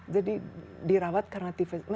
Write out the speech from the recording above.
jadi dirawat karena tifus